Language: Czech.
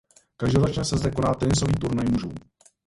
Každoročně se zde koná tenisový turnaj mužů.